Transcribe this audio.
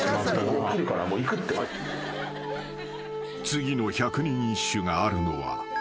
［次の百人一首があるのは］